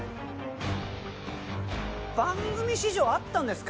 番組史上あったんですか？